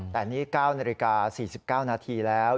แต่นี่๙นาฬิกา๔๙นาทีแล้ว